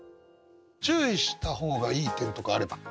注意した方がいい点とかあれば。